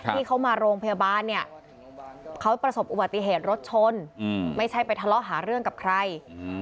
ที่เขามาโรงพยาบาลเนี่ยเขาประสบอุบัติเหตุรถชนไม่ใช่ไปทะเลาะหาเรื่องกับใคร